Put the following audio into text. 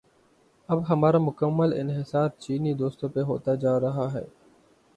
اب ہمارا مکمل انحصار چینی دوستوں پہ ہوتا جا رہا ہے۔